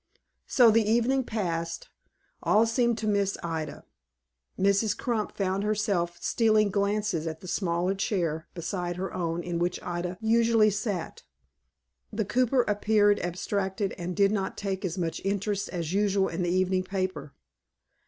So the evening passed. All seemed to miss Ida. Mrs. Crump found herself stealing glances at the smaller chair beside her own in which Ida usually sat. The cooper appeared abstracted, and did not take as much interest as usual in the evening paper.